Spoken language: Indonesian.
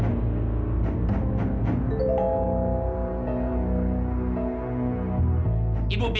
aku takut aku kemurung mati